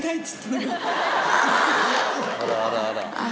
あらあらあら。